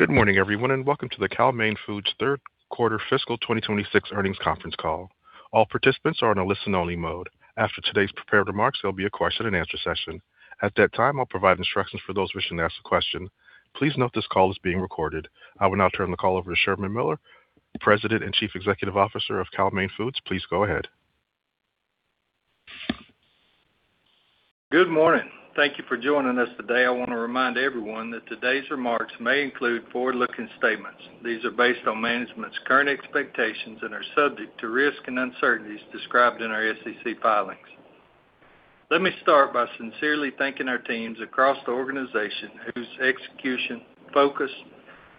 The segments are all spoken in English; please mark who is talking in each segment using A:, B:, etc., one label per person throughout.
A: Good morning, everyone, and welcome to the Cal-Maine Foods third quarter fiscal 2026 earnings conference call. All participants are in a listen-only mode. After today's prepared remarks, there'll be a question-and-answer session. At that time, I'll provide instructions for those wishing to ask a question. Please note this call is being recorded. I will now turn the call over to Sherman Miller, President and Chief Executive Officer of Cal-Maine Foods. Please go ahead.
B: Good morning. Thank you for joining us today. I want to remind everyone that today's remarks may include forward-looking statements. These are based on management's current expectations and are subject to risks and uncertainties described in our SEC filings. Let me start by sincerely thanking our teams across the organization whose execution, focus,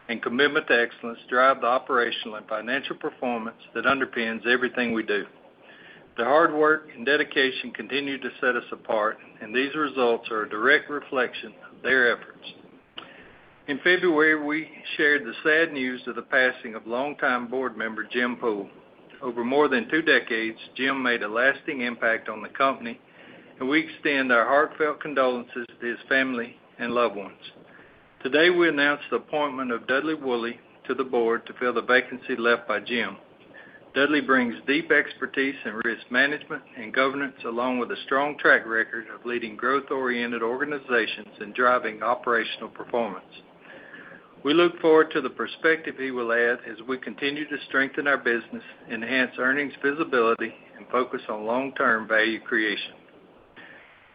B: and commitment to excellence drive the operational and financial performance that underpins everything we do. Their hard work and dedication continue to set us apart, and these results are a direct reflection of their efforts. In February, we shared the sad news of the passing of longtime board member Jim Poole. Over more than two decades, Jim made a lasting impact on the company, and we extend our heartfelt condolences to his family and loved ones. Today, we announce the appointment of Dudley Wooley to the board to fill the vacancy left by Jim. Dudley brings deep expertise in risk management and governance, along with a strong track record of leading growth-oriented organizations and driving operational performance. We look forward to the perspective he will add as we continue to strengthen our business, enhance earnings visibility, and focus on long-term value creation.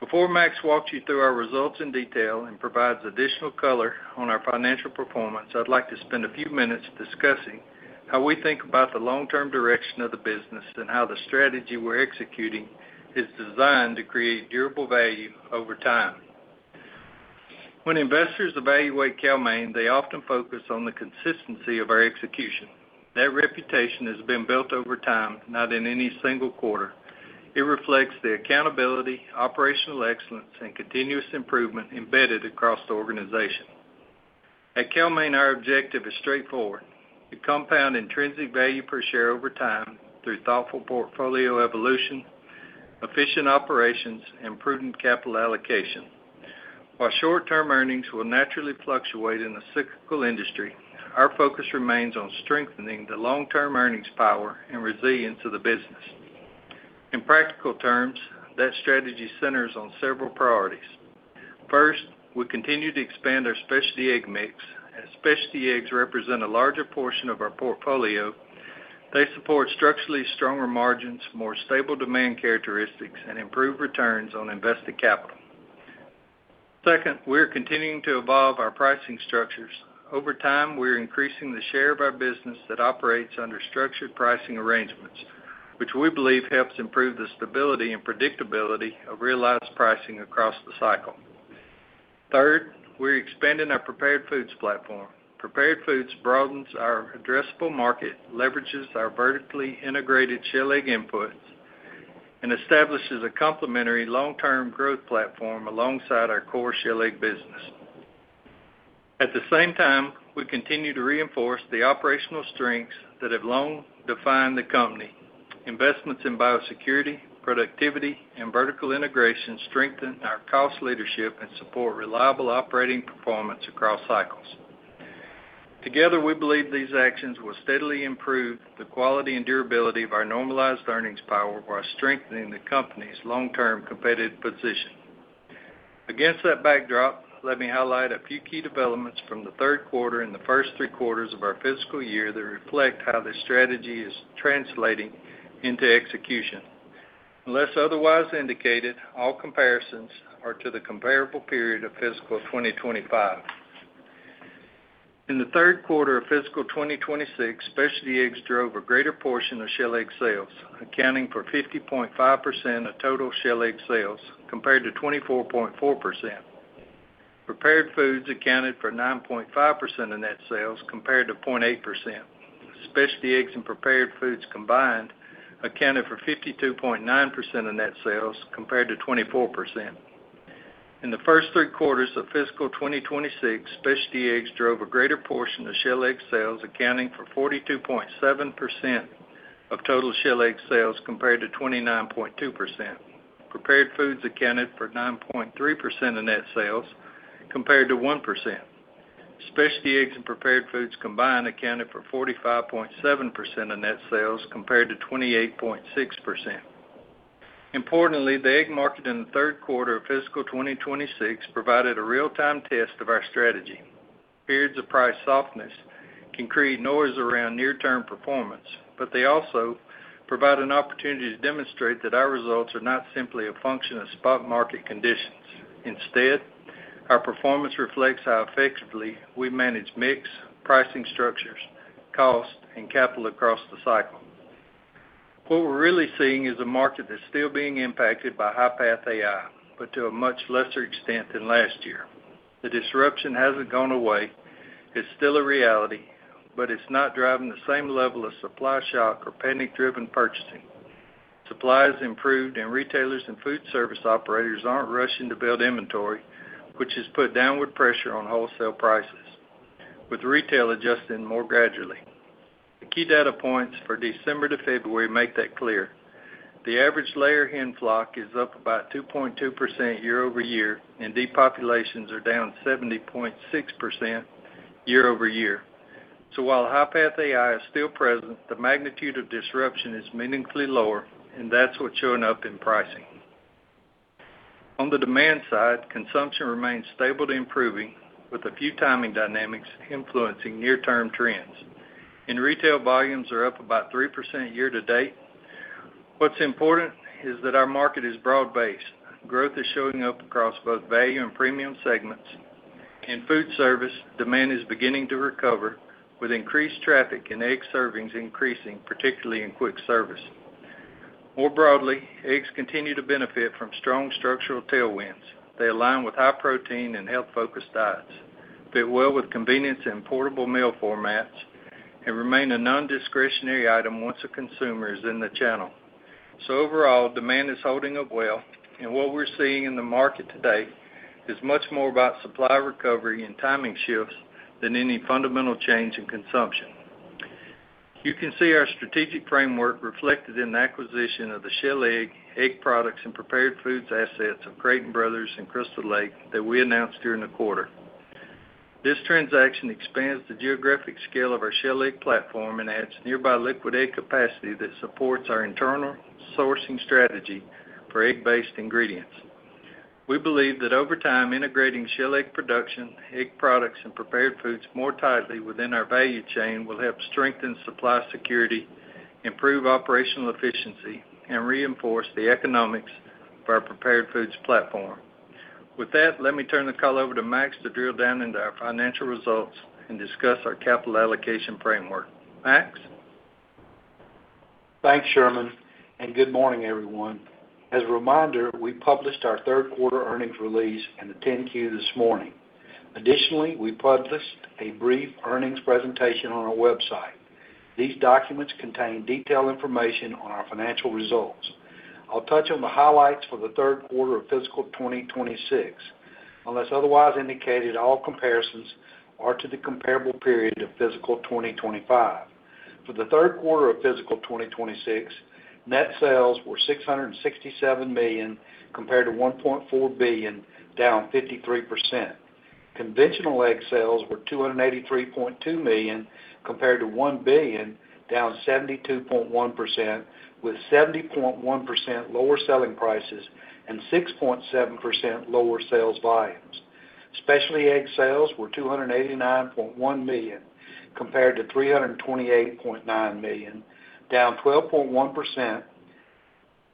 B: Before Max walks you through our results in detail and provides additional color on our financial performance, I'd like to spend a few minutes discussing how we think about the long-term direction of the business and how the strategy we're executing is designed to create durable value over time. When investors evaluate Cal-Maine, they often focus on the consistency of our execution. That reputation has been built over time, not in any single quarter. It reflects the accountability, operational excellence, and continuous improvement embedded across the organization. At Cal-Maine, our objective is straightforward: to compound intrinsic value per share over time through thoughtful portfolio evolution, efficient operations, and prudent capital allocation. While short-term earnings will naturally fluctuate in a cyclical industry, our focus remains on strengthening the long-term earnings power and resilience of the business. In practical terms, that strategy centers on several priorities. First, we continue to expand our specialty egg mix. As specialty eggs represent a larger portion of our portfolio, they support structurally stronger margins, more stable demand characteristics, and improved returns on invested capital. Second, we're continuing to evolve our pricing structures. Over time, we're increasing the share of our business that operates under structured pricing arrangements, which we believe helps improve the stability and predictability of realized pricing across the cycle. Third, we're expanding our prepared foods platform. Prepared foods broadens our addressable market, leverages our vertically integrated shell egg inputs, and establishes a complementary long-term growth platform alongside our core shell egg business. At the same time, we continue to reinforce the operational strengths that have long defined the company. Investments in biosecurity, productivity, and vertical integration strengthen our cost leadership and support reliable operating performance across cycles. Together, we believe these actions will steadily improve the quality and durability of our normalized earnings power while strengthening the company's long-term competitive position. Against that backdrop, let me highlight a few key developments from the third quarter and the first three quarters of our fiscal year that reflect how this strategy is translating into execution. Unless otherwise indicated, all comparisons are to the comparable period of fiscal 2025. In the third quarter of fiscal 2026, specialty eggs drove a greater portion of shell egg sales, accounting for 50.5% of total shell egg sales compared to 24.4%. Prepared foods accounted for 9.5% of net sales compared to 0.8%. Specialty eggs and prepared foods combined accounted for 52.9% of net sales compared to 24%. In the first three quarters of fiscal 2026, specialty eggs drove a greater portion of shell egg sales, accounting for 42.7% of total shell egg sales compared to 29.2%. Prepared foods accounted for 9.3% of net sales compared to 1%. Specialty eggs and prepared foods combined accounted for 45.7% of net sales compared to 28.6%. Importantly, the egg market in the third quarter of fiscal 2026 provided a real-time test of our strategy. Periods of price softness can create noise around near-term performance, but they also provide an opportunity to demonstrate that our results are not simply a function of spot market conditions. Instead, our performance reflects how effectively we manage mix, pricing structures, cost, and capital across the cycle. What we're really seeing is a market that's still being impacted by HPAI, but to a much lesser extent than last year. The disruption hasn't gone away. It's still a reality, but it's not driving the same level of supply shock or panic-driven purchasing. Supply has improved, and retailers and food service operators aren't rushing to build inventory, which has put downward pressure on wholesale prices, with retail adjusting more gradually. The key data points for December to February make that clear. The average layer hen flock is up about 2.2% year-over-year, and depopulations are down 70.6% year-over-year. While HPAI is still present, the magnitude of disruption is meaningfully lower, and that's what's showing up in pricing. On the demand side, consumption remains stable to improving, with a few timing dynamics influencing near-term trends. In retail, volumes are up about 3% year to date. What's important is that our market is broad-based. Growth is showing up across both value and premium segments. In food service, demand is beginning to recover, with increased traffic and egg servings increasing, particularly in quick service. More broadly, eggs continue to benefit from strong structural tailwinds. They align with high-protein and health-focused diets, fit well with convenience and portable meal formats, and remain a non-discretionary item once a consumer is in the channel. Overall, demand is holding up well, and what we're seeing in the market to date is much more about supply recovery and timing shifts than any fundamental change in consumption. You can see our strategic framework reflected in the acquisition of the shell egg products, and prepared foods assets of Creighton Brothers and Crystal Lake that we announced during the quarter. This transaction expands the geographic scale of our shell egg platform and adds nearby liquid egg capacity that supports our internal sourcing strategy for egg-based ingredients. We believe that over time, integrating shell egg production, egg products, and prepared foods more tightly within our value chain will help strengthen supply security, improve operational efficiency, and reinforce the economics of our prepared foods platform. With that, let me turn the call over to Max to drill down into our financial results and discuss our capital allocation framework. Max?
C: Thanks, Sherman, and good morning, everyone. As a reminder, we published our third quarter earnings release and the 10-Q this morning. Additionally, we published a brief earnings presentation on our website. These documents contain detailed information on our financial results. I'll touch on the highlights for the third quarter of fiscal 2026. Unless otherwise indicated, all comparisons are to the comparable period of fiscal 2025. For the third quarter of fiscal 2026, net sales were $667 million compared to $1.4 billion, down 53%. Conventional egg sales were $283.2 million compared to $1 billion, down 72.1%, with 70.1% lower selling prices and 6.7% lower sales volumes. Specialty egg sales were $289.1 million compared to $328.9 million, down 12.1%,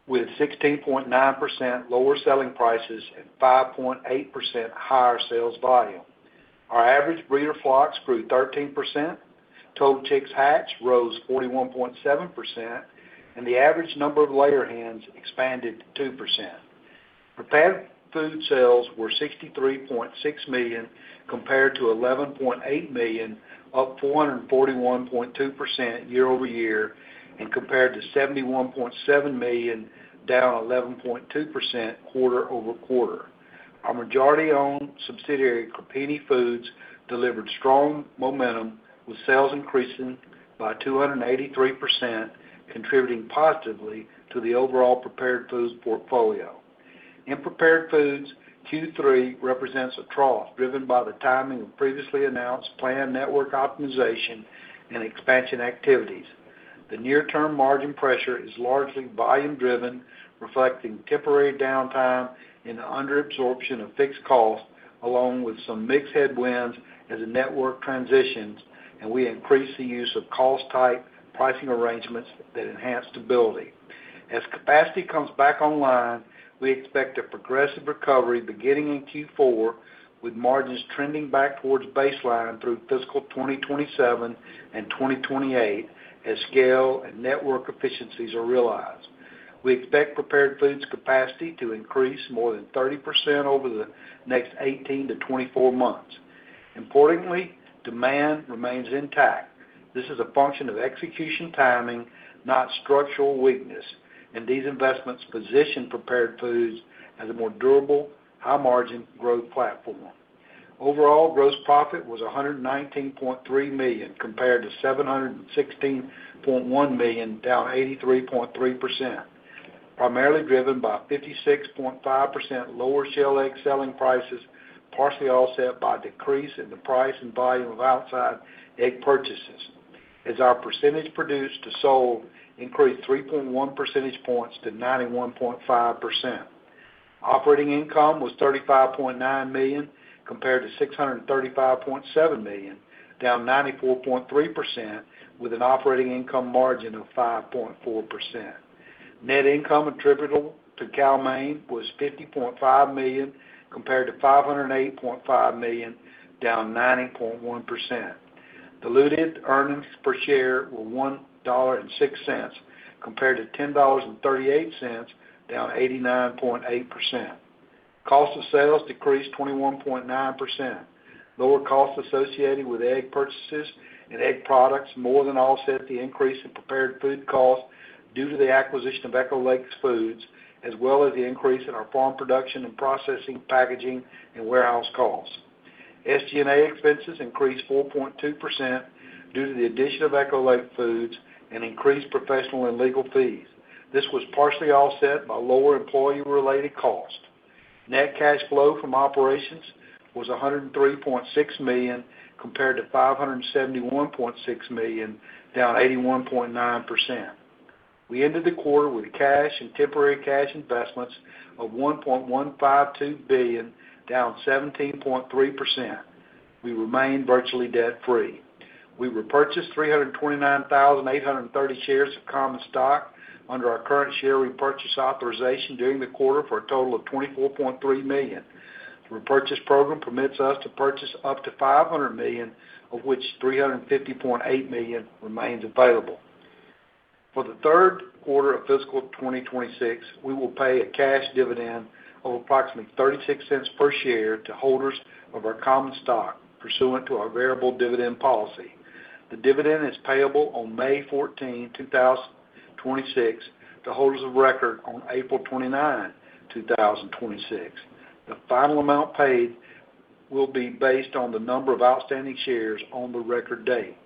C: with 16.9% lower selling prices and 5.8% higher sales volume. Our average breeder flocks grew 13%, total chicks hatch rose 41.7%, and the average number of layer hens expanded 2%. Prepared foods sales were $63.6 million compared to $11.8 million, up 441.2% year-over-year and compared to $71.7 million, down 11.2% quarter-over-quarter. Our majority-owned subsidiary, Crepini Foods, delivered strong momentum, with sales increasing by 283%, contributing positively to the overall prepared foods portfolio. In prepared foods, Q3 represents a trough driven by the timing of previously announced planned network optimization and expansion activities. The near-term margin pressure is largely volume driven, reflecting temporary downtime and under absorption of fixed costs, along with some mixed headwinds as the network transitions and we increase the use of cost-type pricing arrangements that enhance stability. As capacity comes back online, we expect a progressive recovery beginning in Q4, with margins trending back towards baseline through fiscal 2027 and 2028 as scale and network efficiencies are realized. We expect prepared foods capacity to increase more than 30% over the next 18-24 months. Importantly, demand remains intact. This is a function of execution timing, not structural weakness, and these investments position prepared foods as a more durable, high-margin growth platform. Overall, gross profit was $119.3 million compared to $716.1 million, down 83.3%, primarily driven by 56.5% lower shell egg selling prices, partially offset by decrease in the price and volume of outside egg purchases as our percentage produced to sold increased 3.1 percentage points to 91.5%. Operating income was $35.9 million compared to $635.7 million, down 94.3% with an operating income margin of 5.4%. Net income attributable to Cal-Maine was $50.5 million compared to $508.5 million, down 90.1%. Diluted earnings per share were $1.06 compared to $10.38, down 89.8%. Cost of sales decreased 21.9%. Lower costs associated with egg purchases and egg products more than offset the increase in prepared food costs due to the acquisition of Echo Lake Foods, as well as the increase in our farm production and processing, packaging, and warehouse costs. SG&A expenses increased 4.2% due to the addition of Echo Lake Foods and increased professional and legal fees. This was partially offset by lower employee-related costs. Net cash flow from operations was $103.6 million compared to $571.6 million, down 81.9%. We ended the quarter with cash and temporary cash investments of $1.152 billion, down 17.3%. We remain virtually debt-free. We repurchased 329,830 shares of common stock under our current share repurchase authorization during the quarter for a total of $24.3 million. The repurchase program permits us to purchase up to $500 million, of which $350.8 million remains available. For the third quarter of fiscal 2026, we will pay a cash dividend of approximately $0.36 per share to holders of our common stock pursuant to our variable dividend policy. The dividend is payable on May 14, 2026, to holders of record on April 29, 2026. The final amount paid will be based on the number of outstanding shares on the record date.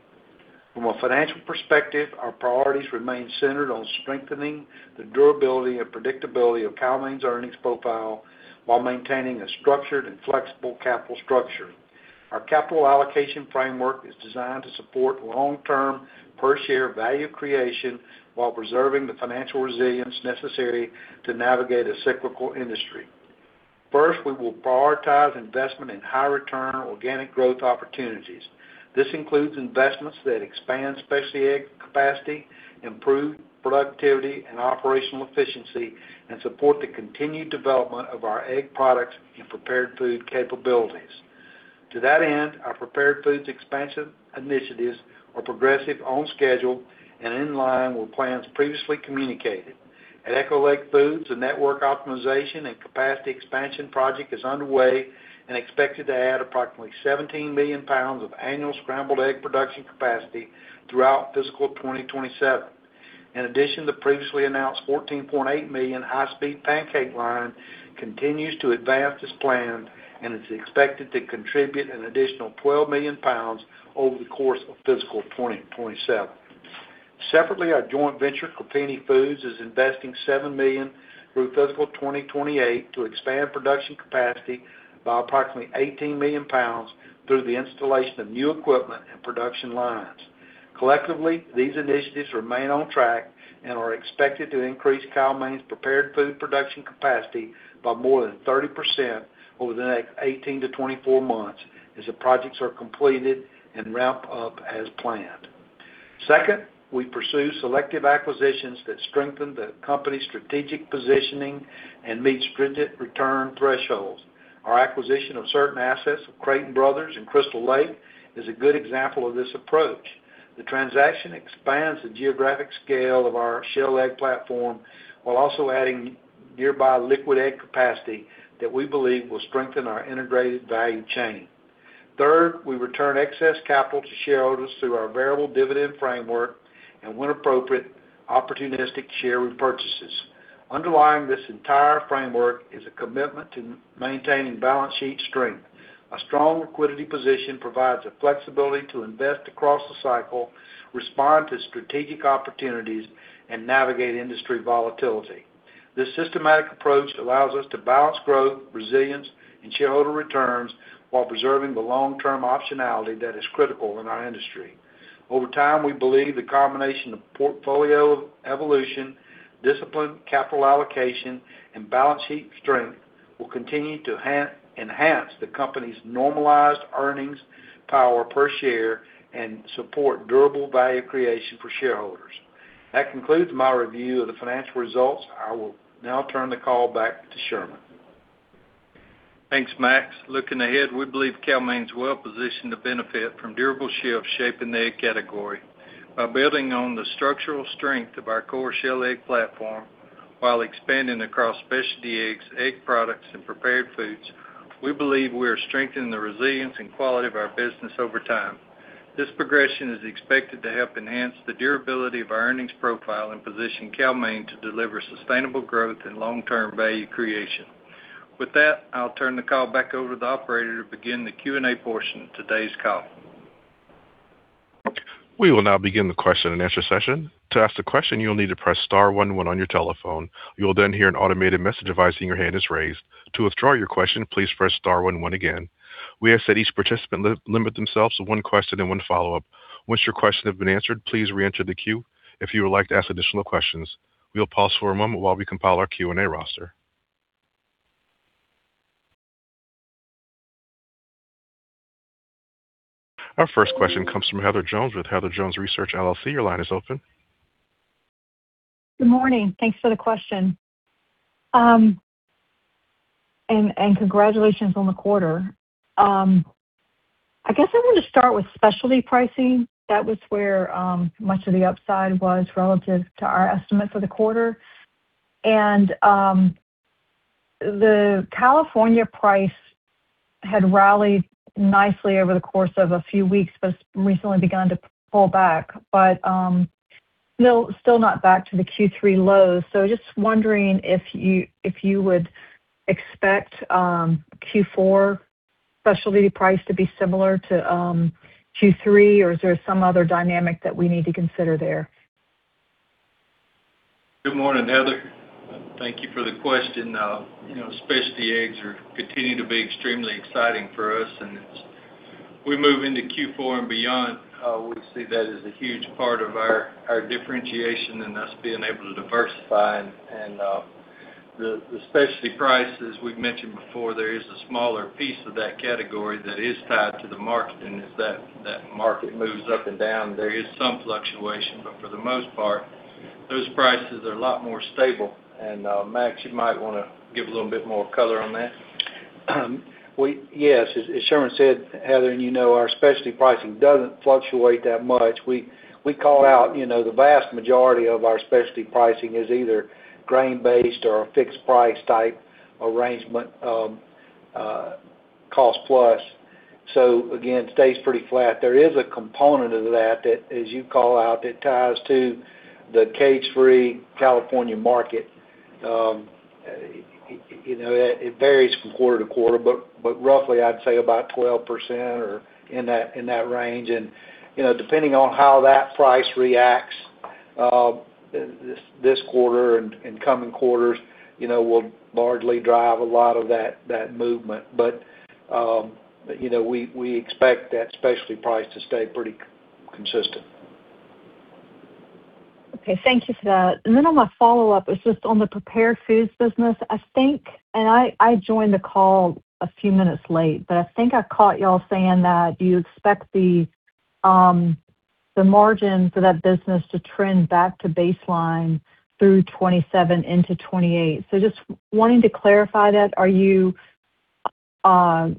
C: From a financial perspective, our priorities remain centered on strengthening the durability and predictability of Cal-Maine Foods' earnings profile while maintaining a structured and flexible capital structure. Our capital allocation framework is designed to support long-term per share value creation while preserving the financial resilience necessary to navigate a cyclical industry. First, we will prioritize investment in high return organic growth opportunities. This includes investments that expand specialty egg capacity, improve productivity and operational efficiency, and support the continued development of our egg products and prepared food capabilities. To that end, our prepared foods expansion initiatives are progressing on schedule and in line with plans previously communicated. At Echo Lake Foods, the network optimization and capacity expansion project is underway and expected to add approximately 17 million pounds of annual scrambled egg production capacity throughout fiscal 2027. In addition, the previously announced 14.8 million high-speed pancake line continues to advance as planned and is expected to contribute an additional 12 million pounds over the course of fiscal 2027. Separately, our joint venture, Crepini Foods, is investing $7 million through fiscal 2028 to expand production capacity by approximately 18 million pounds through the installation of new equipment and production lines. Collectively, these initiatives remain on track and are expected to increase Cal-Maine's prepared food production capacity by more than 30% over the next 18-24 months as the projects are completed and ramp up as planned. Second, we pursue selective acquisitions that strengthen the company's strategic positioning and meet stringent return thresholds. Our acquisition of certain assets of Creighton Brothers in Crystal Lake is a good example of this approach. The transaction expands the geographic scale of our shell egg platform while also adding nearby liquid egg capacity that we believe will strengthen our integrated value chain. Third, we return excess capital to shareholders through our variable dividend framework and, when appropriate, opportunistic share repurchases. Underlying this entire framework is a commitment to maintaining balance sheet strength. A strong liquidity position provides the flexibility to invest across the cycle, respond to strategic opportunities, and navigate industry volatility. This systematic approach allows us to balance growth, resilience, and shareholder returns while preserving the long-term optionality that is critical in our industry. Over time, we believe the combination of portfolio evolution, disciplined capital allocation, and balance sheet strength will continue to enhance the company's normalized earnings power per share and support durable value creation for shareholders. That concludes my review of the financial results. I will now turn the call back to Sherman.
B: Thanks, Max. Looking ahead, we believe Cal-Maine's well-positioned to benefit from durable shifts shaping the egg category. By building on the structural strength of our core shell egg platform while expanding across specialty eggs, egg products, and prepared foods, we believe we are strengthening the resilience and quality of our business over time. This progression is expected to help enhance the durability of our earnings profile and position Cal-Maine to deliver sustainable growth and long-term value creation. With that, I'll turn the call back over to the operator to begin the Q&A portion of today's call.
A: We will now begin the question-and-answer session. To ask a question, you will need to press star one one on your telephone. You will then hear an automated message advising your hand is raised. To withdraw your question, please press star one one again. We ask that each participant limit themselves to one question and one follow-up. Once your question has been answered, please reenter the queue if you would like to ask additional questions. We will pause for a moment while we compile our Q&A roster. Our first question comes from Heather Jones with Heather Jones Research, LLC. Your line is open.
D: Good morning. Thanks for the question. Congratulations on the quarter. I guess I want to start with specialty pricing. That was where much of the upside was relative to our estimate for the quarter. The California price had rallied nicely over the course of a few weeks, but it's recently begun to pull back.No, still not back to the Q3 lows. Just wondering if you would expect Q4 specialty price to be similar to Q3? Or is there some other dynamic that we need to consider there?
B: Good morning, Heather. Thank you for the question. You know, specialty eggs are continuing to be extremely exciting for us, and as we move into Q4 and beyond, we see that as a huge part of our differentiation and us being able to diversify. The specialty prices we've mentioned before, there is a smaller piece of that category that is tied to the market. As that market moves up and down, there is some fluctuation. For the most part, those prices are a lot more stable. Max, you might wanna give a little bit more color on that.
C: Yes. As Sherman said, Heather, you know our specialty pricing doesn't fluctuate that much. We call out, you know, the vast majority of our specialty pricing is either grain-based or a fixed price type arrangement of cost-plus. Again, stays pretty flat. There is a component of that as you call out that ties to the cage-free California market. You know, it varies from quarter to quarter, but roughly I'd say about 12% or in that range. You know, depending on how that price reacts, this quarter and coming quarters you know will largely drive a lot of that movement. You know, we expect that specialty price to stay pretty consistent.
D: Okay. Thank you for that. On my follow-up, it's just on the prepared foods business. I think I joined the call a few minutes late, but I think I caught y'all saying that you expect the margin for that business to trend back to baseline through 2027 into 2028. Just wanting to clarify that. Are you not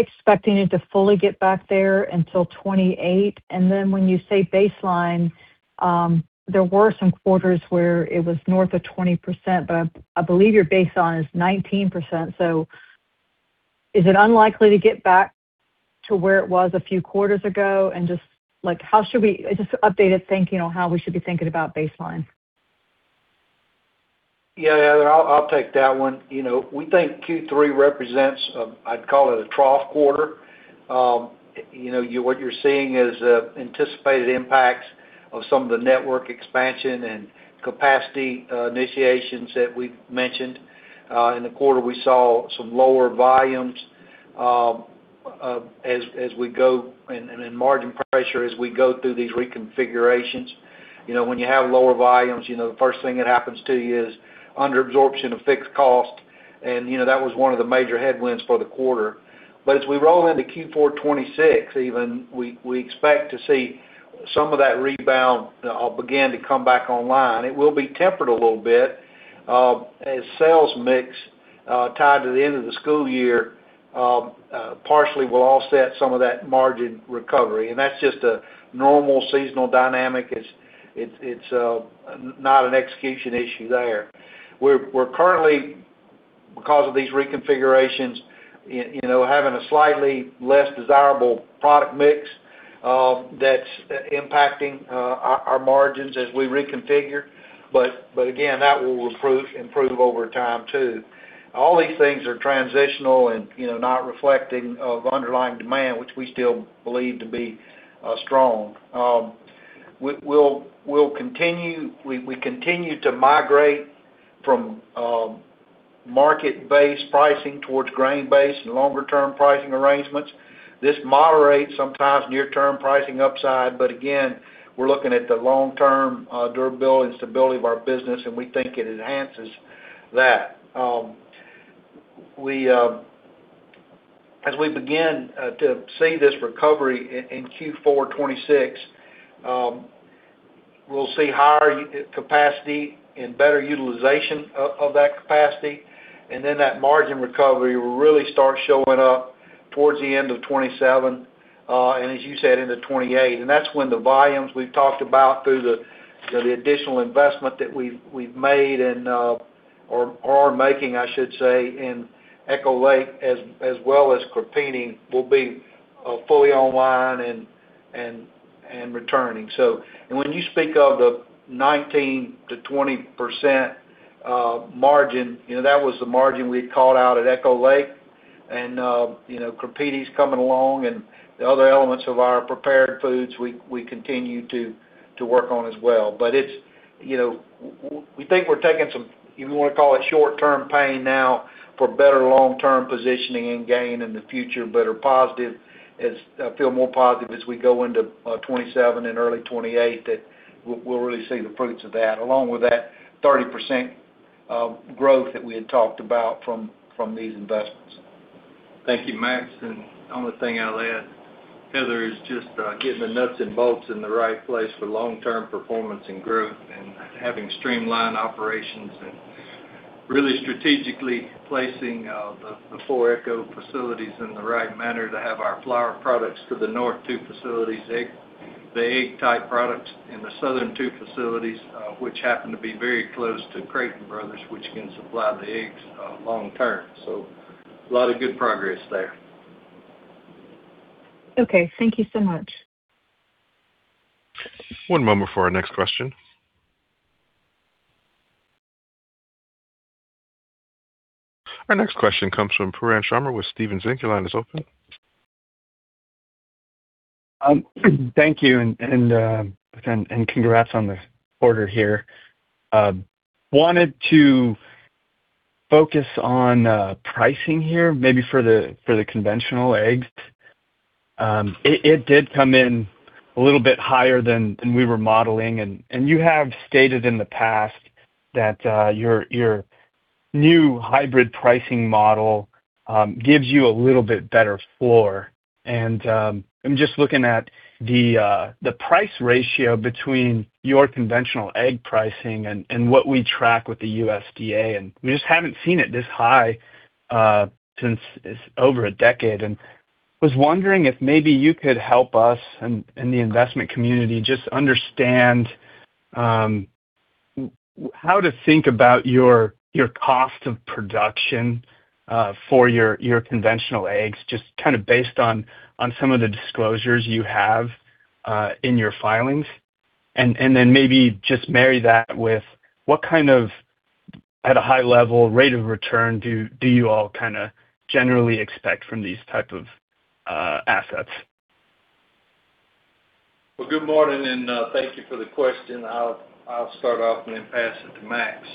D: expecting it to fully get back there until 2028? When you say baseline, there were some quarters where it was north of 20%, but I believe your baseline is 19%. Is it unlikely to get back to where it was a few quarters ago? Just like, updated thinking on how we should be thinking about baseline.
C: Yeah, I'll take that one. You know, we think Q3 represents a, I'd call it a trough quarter. You know, what you're seeing is anticipated impacts of some of the network expansion and capacity initiations that we've mentioned. In the quarter, we saw some lower volumes as we go and in margin pressure as we go through these reconfigurations. You know, when you have lower volumes, the first thing that happens to you is under absorption of fixed cost. You know, that was one of the major headwinds for the quarter. As we roll into Q4 2026 even, we expect to see some of that rebound begin to come back online. It will be tempered a little bit, as sales mix tied to the end of the school year, partially will offset some of that margin recovery. That's just a normal seasonal dynamic. It's not an execution issue there. We're currently, because of these reconfigurations, you know, having a slightly less desirable product mix, that's impacting our margins as we reconfigure. But again, that will improve over time too. All these things are transitional and, you know, not reflecting of underlying demand, which we still believe to be strong. We continue to migrate from market-based pricing towards grain-based and longer-term pricing arrangements. This moderates sometimes near-term pricing upside, but again, we're looking at the long-term durability and stability of our business, and we think it enhances that. As we begin to see this recovery in Q4 2026, we'll see higher capacity and better utilization of that capacity, and then that margin recovery will really start showing up towards the end of 2027 and as you said, into 2028. That's when the volumes we've talked about through the additional investment that we've made or are making, I should say, in Echo Lake as well as Crepini will be fully online and returning. When you speak of the 19%-20% margin, you know, that was the margin we had called out at Echo Lake. You know, Crepini’s coming along and the other elements of our prepared foods. We continue to work on as well. It’s, you know, we think we’re taking some, if you wanna call it, short-term pain now for better long-term positioning and gain in the future. We feel more positive as we go into 2027 and early 2028 that we’ll really see the fruits of that along with that 30% growth that we had talked about from these investments.
B: Thank you, Max. Only thing I'll add, Heather, is just getting the nuts and bolts in the right place for long-term performance and growth and having streamlined operations and really strategically placing the 4 Echo facilities in the right manner to have our flour products to the north 2 facilities, the egg-type products in the southern 2 facilities, which happen to be very close to Creighton Brothers, which can supply the eggs long-term. A lot of good progress there.
D: Okay. Thank you so much.
A: One moment for our next question. Our next question comes from Pooran Sharma with Stephens Inc. It's open.
E: Thank you and congrats on the quarter here. Wanted to focus on pricing here maybe for the conventional eggs. It did come in a little bit higher than we were modeling. You have stated in the past that your new hybrid pricing model gives you a little bit better floor. I'm just looking at the price ratio between your conventional egg pricing and what we track with the USDA, and we just haven't seen it this high since over a decade. Was wondering if maybe you could help us and the investment community just understand how to think about your cost of production for your conventional eggs, just kind of based on some of the disclosures you have in your filings. Then maybe just marry that with what kind of, at a high level, rate of return do you all kinda generally expect from these type of assets?
B: Well, good morning, and thank you for the question. I'll start off and then pass it to Max.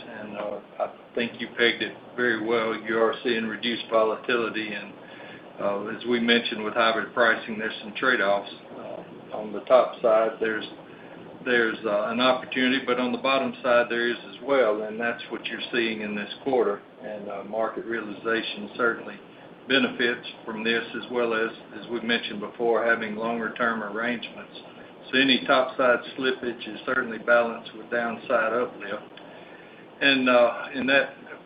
B: I think you pegged it very well. You are seeing reduced volatility. As we mentioned with hybrid pricing, there's some trade-offs. On the top side, there's an opportunity, but on the bottom side there is as well, and that's what you're seeing in this quarter. Market realization certainly benefits from this as well as we've mentioned before, having longer term arrangements. Any top side slippage is certainly balanced with downside uplift. That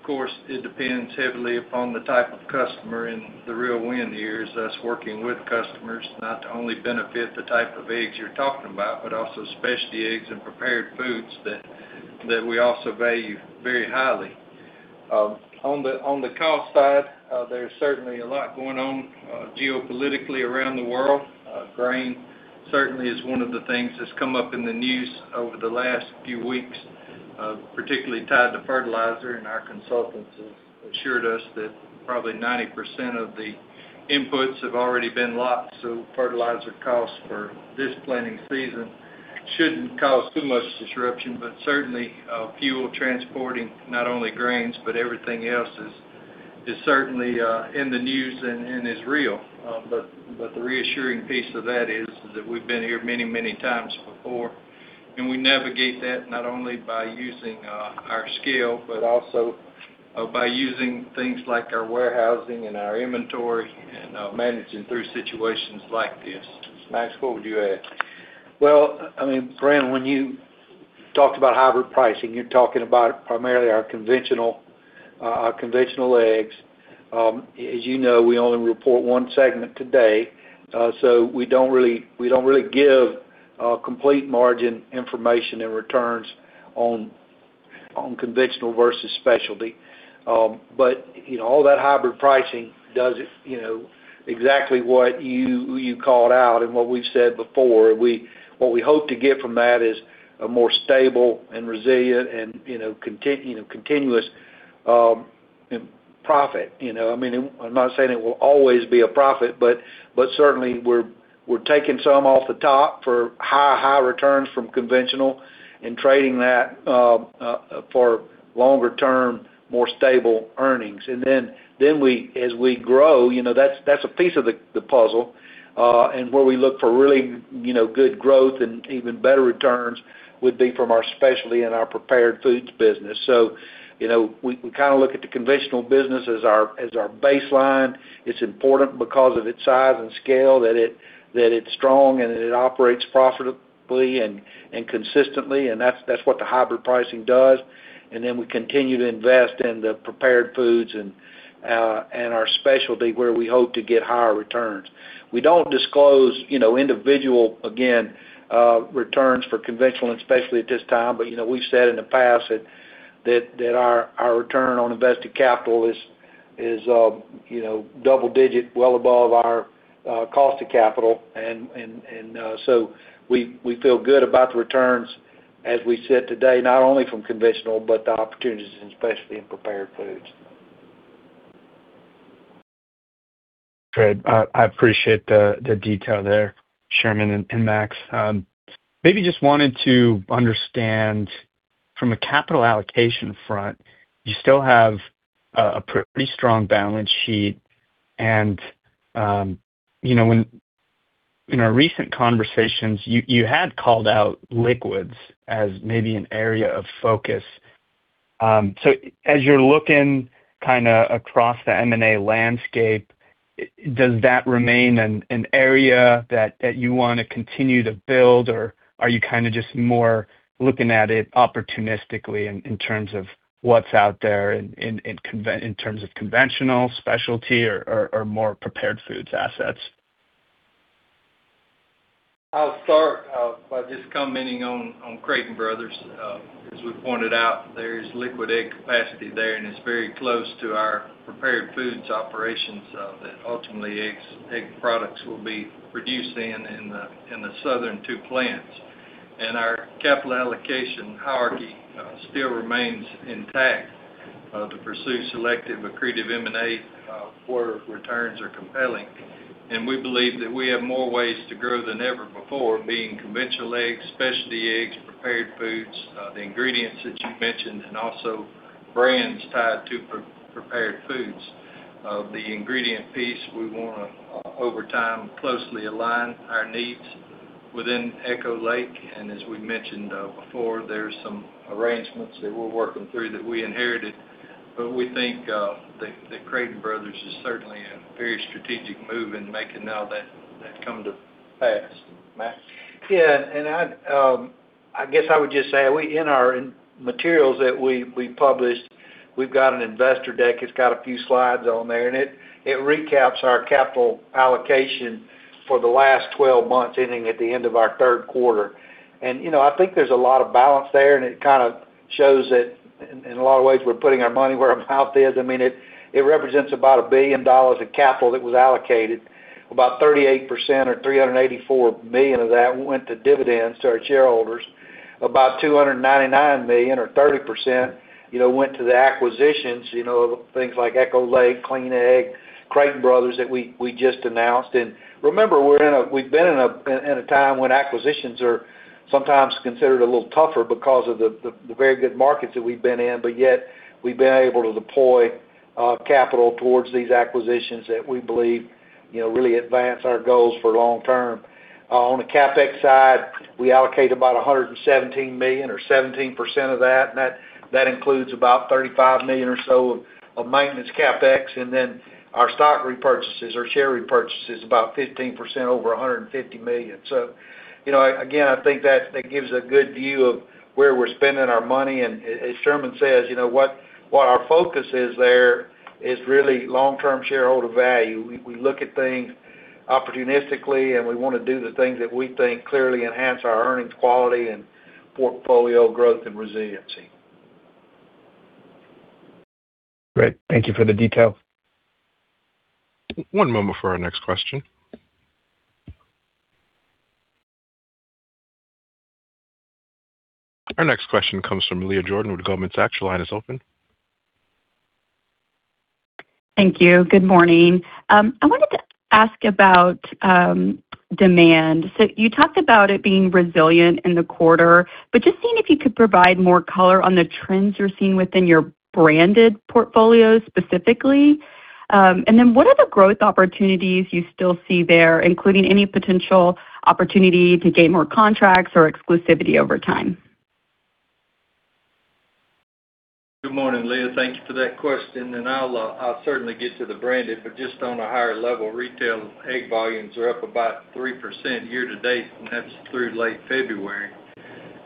B: of course, it depends heavily upon the type of customer and the real win here is us working with customers not to only benefit the type of eggs you're talking about, but also specialty eggs and prepared foods that we also value very highly. On the cost side, there's certainly a lot going on geopolitically around the world. Grain certainly is one of the things that's come up in the news over the last few weeks, particularly tied to fertilizer. Our consultants have assured us that probably 90% of the inputs have already been locked, so fertilizer costs for this planting season shouldn't cause too much disruption. Certainly, fuel transporting not only grains, but everything else is certainly in the news and is real. The reassuring piece of that is that we've been here many, many times before, and we navigate that not only by using our scale, but also by using things like our warehousing and our inventory and managing through situations like this. Max, what would you add?
C: Well, I mean, Pooran, when you talked about hybrid pricing, you're talking about primarily our conventional eggs. As you know, we only report one segment today, so we don't really give complete margin information and returns on conventional versus specialty. You know, all that hybrid pricing does is exactly what you called out and what we've said before. What we hope to get from that is a more stable and resilient and continuous profit. You know, I mean, I'm not saying it will always be a profit, but certainly we're taking some off the top for high returns from conventional and trading that for longer term, more stable earnings. As we grow, you know, that's a piece of the puzzle, and where we look for really, you know, good growth and even better returns would be from our specialty and our prepared foods business. We kind of look at the conventional business as our baseline. It's important because of its size and scale, that it's strong and it operates profitably and consistently. That's what the hybrid pricing does. We continue to invest in the prepared foods and our specialty where we hope to get higher returns. We don't disclose, you know, individual, again, returns for conventional and specialty at this time, but, you know, we've said in the past that our return on invested capital is, you know, double digit, well above our cost of capital. We feel good about the returns as we sit today, not only from conventional, but the opportunities in specialty and prepared foods.
E: Great. I appreciate the detail there, Sherman and Max. Maybe I just wanted to understand from a capital allocation front, you still have a pretty strong balance sheet and you know, when in our recent conversations you had called out liquids as maybe an area of focus. So as you're looking kinda across the M&A landscape, does that remain an area that you wanna continue to build, or are you kinda just more looking at it opportunistically in terms of what's out there in terms of conventional specialty or more prepared foods assets?
B: I'll start by just commenting on Creighton Brothers. As we pointed out, there's liquid egg capacity there, and it's very close to our prepared foods operations that ultimately eggs, egg products will be produced in the southern two plants. Our capital allocation hierarchy still remains intact to pursue selective accretive M&A where returns are compelling. We believe that we have more ways to grow than ever before, being conventional eggs, specialty eggs, prepared foods, the ingredients that you mentioned, and also brands tied to pre-prepared foods. The ingredient piece we wanna over time closely align our needs within Echo Lake. As we mentioned before, there's some arrangements that we're working through that we inherited. We think that Creighton Brothers is certainly a very strategic move in making now that come to pass. Max?
C: Yeah. I guess I would just say, we in our materials that we published, we've got an investor deck. It's got a few slides on there, and it recaps our capital allocation for the last 12 months, ending at the end of our third quarter. You know, I think there's a lot of balance there, and it kind of shows that in a lot of ways, we're putting our money where our mouth is. I mean, it represents about $1 billion in capital that was allocated. About 38% or $384 million of that went to dividends to our shareholders. About $299 million or 30%, you know, went to the acquisitions, you know, things like Echo Lake, Crystal Lake, Creighton Brothers that we just announced. Remember, we're in a time when acquisitions are sometimes considered a little tougher because of the very good markets that we've been in. Yet we've been able to deploy capital towards these acquisitions that we believe, you know, really advance our goals for long-term. On the CapEx side, we allocate about $117 million or 17% of that, and that includes about $35 million or so of maintenance CapEx. Then our stock repurchases or share repurchases, about 15% over $150 million. You know, again, I think that gives a good view of where we're spending our money. As Sherman says, you know, what our focus is there is really long-term shareholder value. We look at things opportunistically, and we wanna do the things that we think clearly enhance our earnings quality and portfolio growth and resiliency.
E: Great. Thank you for the detail.
A: One moment for our next question. Our next question comes from Leah Jordan with Goldman Sachs. Your line is open.
F: Thank you. Good morning. I wanted to ask about demand. You talked about it being resilient in the quarter, but just seeing if you could provide more color on the trends you're seeing within your branded portfolio specifically. What are the growth opportunities you still see there, including any potential opportunity to gain more contracts or exclusivity over time?
B: Good morning, Leah. Thank you for that question, and I'll certainly get to the branded. Just on a higher level, retail egg volumes are up about 3% year to date, and that's through late February.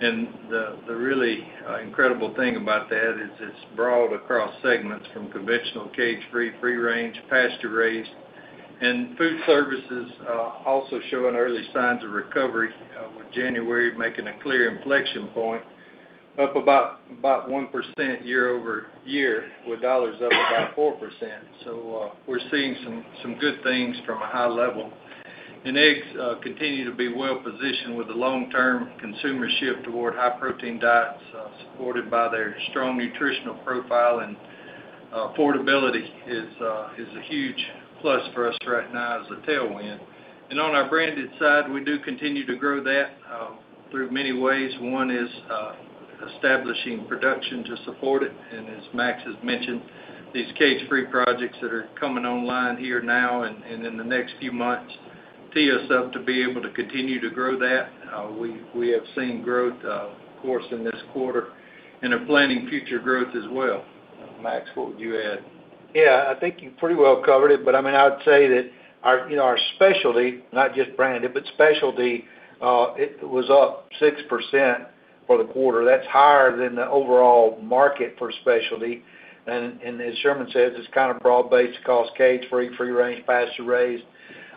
B: The really incredible thing about that is it's broad across segments from conventional, cage-free, free-range, pasture-raised. Food services also showing early signs of recovery, with January making a clear inflection point up about 1% year-over-year, with dollars up about 4%. We're seeing some good things from a high level. Eggs continue to be well positioned with the long-term consumer shift toward high-protein diets, supported by their strong nutritional profile. Affordability is a huge plus for us right now as a tailwind. On our branded side, we do continue to grow that through many ways. One is establishing production to support it. As Max has mentioned, these cage-free projects that are coming online here now and in the next few months tee us up to be able to continue to grow that. We have seen growth of course in this quarter and are planning future growth as well. Max, what would you add?
C: Yeah, I think you pretty well covered it. I mean, I would say that our, you know, our specialty, not just branded, but specialty, it was up 6% for the quarter. That's higher than the overall market for specialty. As Sherman says, it's kind of broad-based across cage-free, free-range,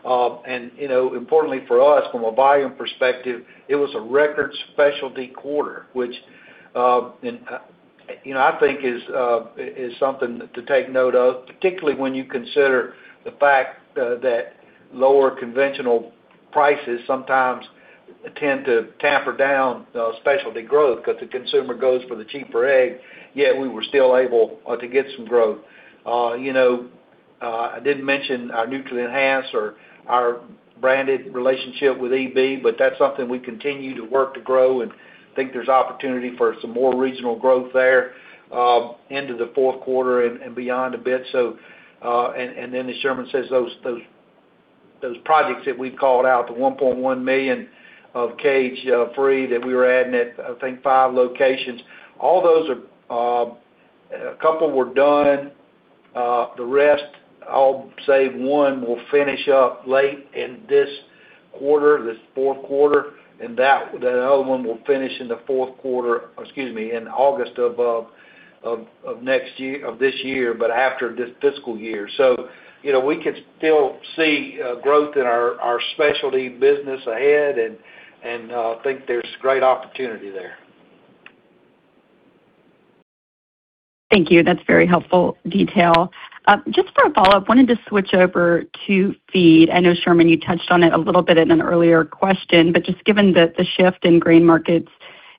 C: pasture-raised. You know, importantly for us, from a volume perspective, it was a record specialty quarter, which and you know I think is something to take note of, particularly when you consider the fact that lower conventional prices sometimes tend to tamper down specialty growth because the consumer goes for the cheaper egg, yet we were still able to get some growth. You know, I didn't mention our NutriEnhanced or our branded relationship with EB, but that's something we continue to work to grow and think there's opportunity for some more regional growth there into the fourth quarter and beyond a bit. Then as Sherman says, those projects that we called out, the 1.1 million of cage-free that we were adding at, I think, five locations, all those are a couple were done. The rest, I'll say one will finish up late in this quarter, this fourth quarter, and the other one will finish in the fourth quarter, or excuse me, in August of next year of this year, but after this fiscal year. You know, we could still see growth in our specialty business ahead and think there's great opportunity there.
F: Thank you. That's very helpful detail. Just for a follow-up, wanted to switch over to feed. I know, Sherman, you touched on it a little bit in an earlier question, but just given the shift in grain markets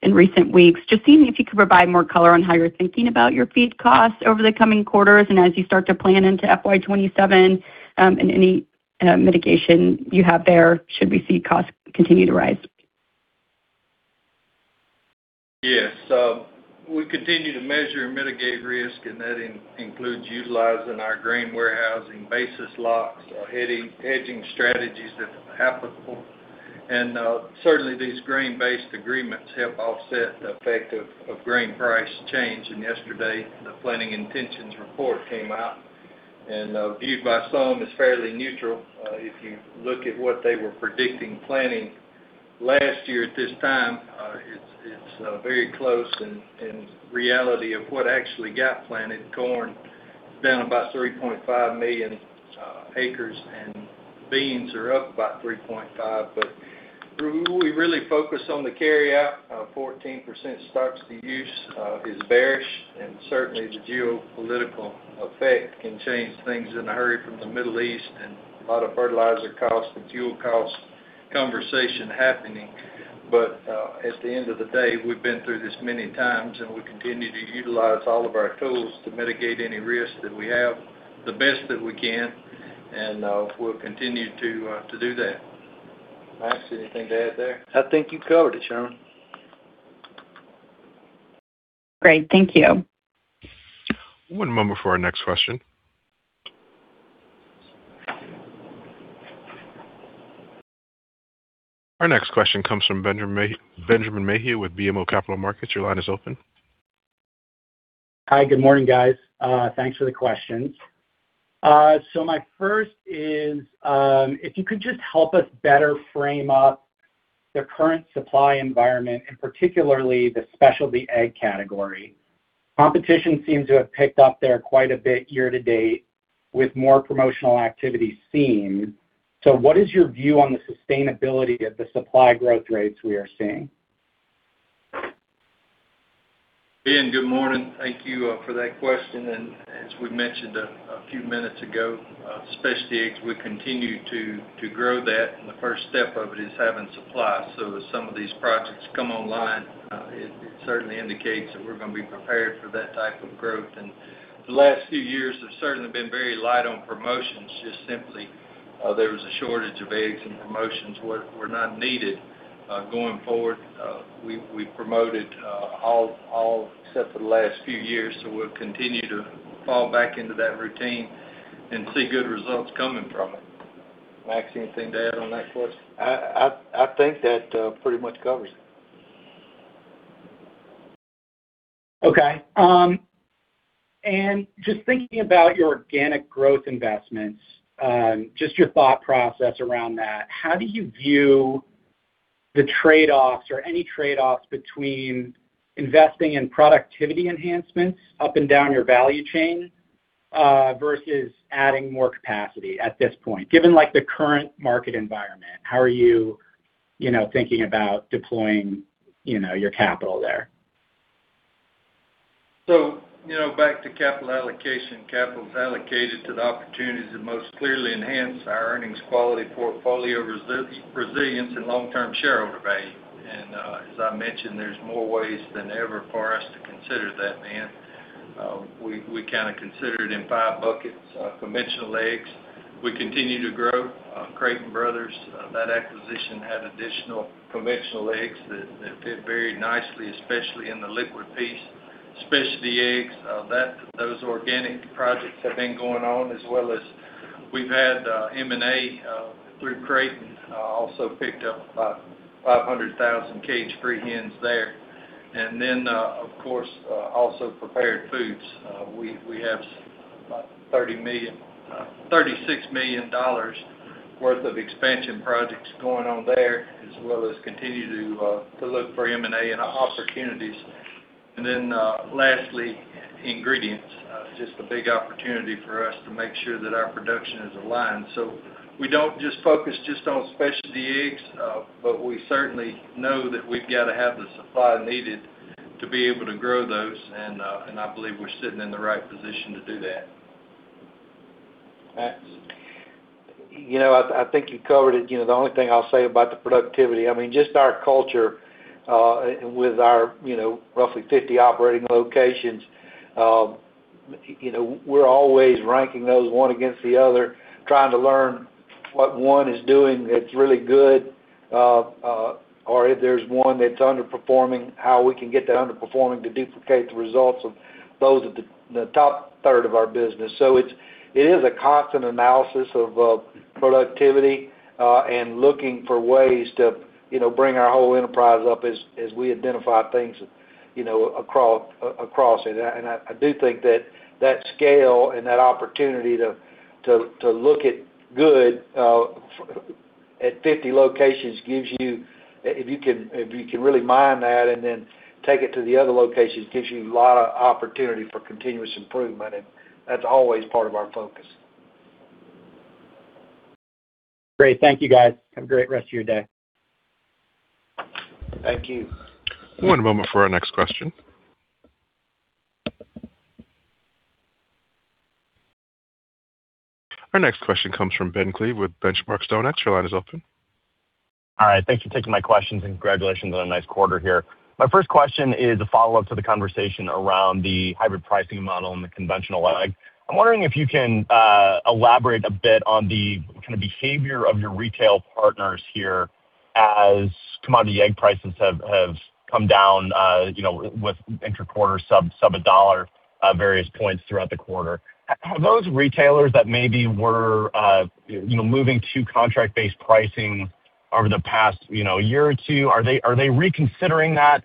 F: in recent weeks, just seeing if you could provide more color on how you're thinking about your feed costs over the coming quarters and as you start to plan into FY 2027, and any mitigation you have there should we see costs continue to rise?
B: Yes. We continue to measure and mitigate risk, and that includes utilizing our grain warehousing basis locks or hedging strategies that are applicable. Certainly these grain-based agreements help offset the effect of grain price change. Yesterday, the planting intentions report came out and viewed by some as fairly neutral. If you look at what they were predicting planting last year at this time, it's very close in reality of what actually got planted. Corn is down about 3.5 million acres, and beans are up about 3.5. We really focus on the carryout. 14% stocks-to-use is bearish, and certainly the geopolitical effect can change things in a hurry from the Middle East and a lot of fertilizer costs and fuel costs conversation happening. At the end of the day, we've been through this many times, and we continue to utilize all of our tools to mitigate any risk that we have the best that we can, and we'll continue to do that. Max, anything to add there?
C: I think you covered it, Sherman.
F: Great. Thank you.
A: One moment before our next question. Our next question comes from Benjamin Mayhew with BMO Capital Markets. Your line is open.
G: Hi. Good morning, guys. Thanks for the questions. My first is, if you could just help us better frame up the current supply environment, and particularly the specialty egg category. Competition seems to have picked up there quite a bit year-to-date with more promotional activity seen. What is your view on the sustainability of the supply growth rates we are seeing?
B: Ben, good morning. Thank you for that question. As we mentioned a few minutes ago, specialty eggs, we continue to grow that, and the first step of it is having supply. As some of these projects come online, it certainly indicates that we're gonna be prepared for that type of growth. The last few years have certainly been very light on promotions, just simply there was a shortage of eggs and promotions were not needed going forward. We promoted all except for the last few years, we'll continue to fall back into that routine and see good results coming from it. Max, anything to add on that question?
C: I think that pretty much covers it.
G: Okay. Just thinking about your organic growth investments, just your thought process around that. How do you view the trade-offs or any trade-offs between investing in productivity enhancements up and down your value chain, versus adding more capacity at this point? Given, like, the current market environment, how are you know, thinking about deploying, you know, your capital there?
B: You know, back to capital allocation. Capital is allocated to the opportunities that most clearly enhance our earnings quality, portfolio resilience and long-term shareholder value. As I mentioned, there's more ways than ever for us to consider that, Ben. We kinda consider it in five buckets. Conventional eggs, we continue to grow. Creighton Brothers, that acquisition had additional conventional eggs that fit very nicely, especially in the liquid piece. Specialty eggs, those organic projects have been going on as well as we've had M&A through Creighton, also picked up about 500,000 cage-free hens there. Of course, also prepared foods. We have about $36 million worth of expansion projects going on there, as well as continue to look for M&A and opportunities. Lastly, ingredients. Just a big opportunity for us to make sure that our production is aligned. We don't just focus on specialty eggs, but we certainly know that we've got to have the supply needed to be able to grow those. I believe we're sitting in the right position to do that.
C: You know, I think you covered it. You know, the only thing I'll say about the productivity, I mean, just our culture with our, you know, roughly 50 operating locations, you know, we're always ranking those one against the other, trying to learn what one is doing that's really good or if there's one that's underperforming, how we can get that underperforming to duplicate the results of those at the top third of our business. It is a constant analysis of productivity and looking for ways to, you know, bring our whole enterprise up as we identify things, you know, across it. I do think that scale and that opportunity to look at good data at 50 locations gives you, if you can really mine that and then take it to the other locations, a lot of opportunity for continuous improvement. That's always part of our focus.
G: Great. Thank you, guys. Have a great rest of your day.
B: Thank you.
A: One moment for our next question. Our next question comes from Ben Klieve with Benchmark. Your line is open.
H: All right. Thank you for taking my questions, and congratulations on a nice quarter here. My first question is a follow-up to the conversation around the hybrid pricing model and the conventional leg. I'm wondering if you can elaborate a bit on the kinda behavior of your retail partners here as commodity egg prices have come down, you know, with intra-quarter sub-$1 at various points throughout the quarter. Have those retailers that maybe were you know moving to contract-based pricing over the past you know year or two, are they reconsidering that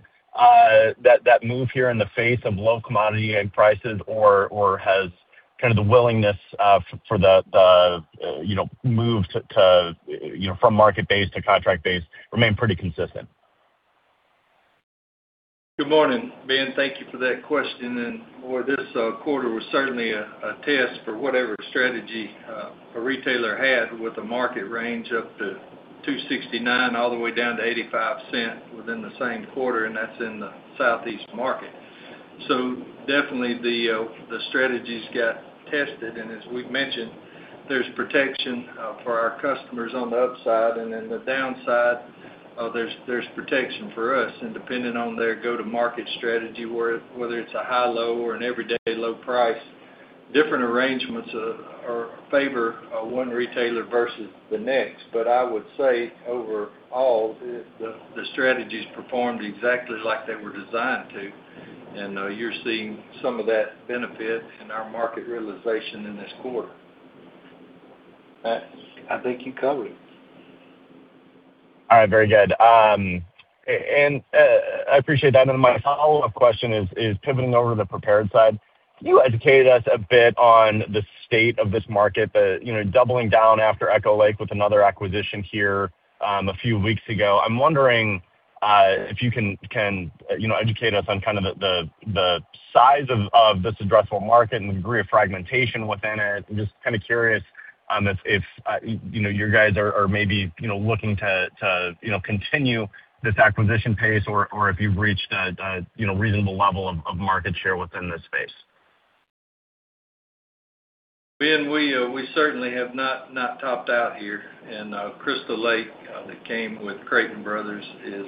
H: move here in the face of low commodity egg prices? Or has kind of the willingness for the you know move to you know from market-based to contract-based remained pretty consistent?
B: Good morning, Ben. Thank you for that question. Boy, this quarter was certainly a test for whatever strategy a retailer had with a market range up to $2.69 all the way down to $0.85 within the same quarter, and that's in the Southeast market. Definitely the strategies got tested. As we've mentioned, there's protection for our customers on the upside, and then the downside, there's protection for us. Depending on their go-to-market strategy, whether it's a high-low or an everyday low price, different arrangements are favorable to one retailer versus the next. I would say overall, the strategies performed exactly like they were designed to. You're seeing some of that benefit in our market realization in this quarter. Matt?
I: I think you covered it.
H: All right. Very good. I appreciate that. My follow-up question is pivoting over to the prepared side. Can you educate us a bit on the state of this market, you know, doubling down after Echo Lake with another acquisition here a few weeks ago? I'm wondering, if you can educate us on kind of the size of this addressable market and the degree of fragmentation within it. I'm just kinda curious, if you guys are maybe looking to continue this acquisition pace or if you've reached a reasonable level of market share within this space.
B: Ben, we certainly have not topped out here. Crystal Lake that came with Creighton Brothers is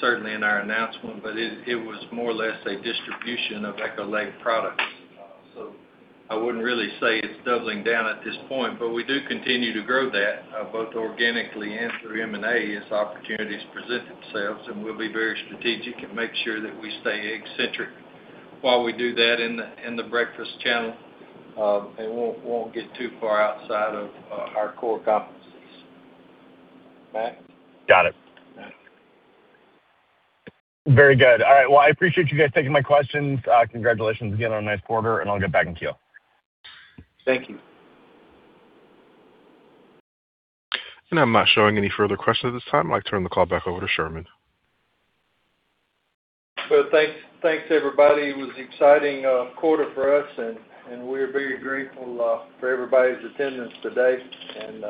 B: certainly in our announcement, but it was more or less a distribution of Echo Lake products. So I wouldn't really say it's doubling down at this point, but we do continue to grow that both organically and through M&A as opportunities present themselves, and we'll be very strategic and make sure that we stay egg-centric while we do that in the breakfast channel, and won't get too far outside of our core competencies. Matt?
H: Got it.
I: Yeah.
H: Very good. All right. Well, I appreciate you guys taking my questions. Congratulations again on a nice quarter, and I'll get back in queue.
B: Thank you.
A: I'm not showing any further questions at this time. I'd like to turn the call back over to Sherman.
B: Well, thanks everybody. It was an exciting quarter for us, and we're very grateful for everybody's attendance today and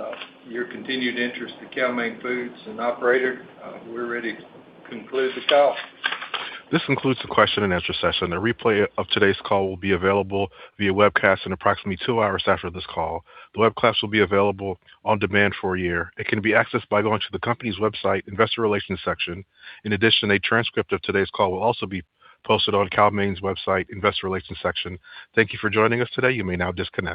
B: your continued interest in Cal-Maine Foods. Operator, we're ready to conclude this call.
A: This concludes the question and answer session. A replay of today's call will be available via webcast in approximately two hours after this call. The webcast will be available on demand for a year. It can be accessed by going to the company's website investor relations section. In addition, a transcript of today's call will also be posted on Cal-Maine's website investor relations section. Thank you for joining us today. You may now disconnect.